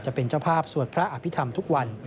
จะเป็นเจ้าภาพสวดพระอภิษฐรรมทุกวัน